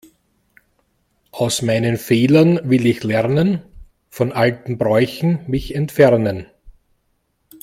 Aus meinen Fehlern will ich lernen, von alten Bräuchen mich entfernen.